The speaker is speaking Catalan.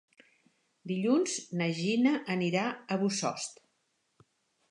Dilluns na Gina anirà a Bossòst.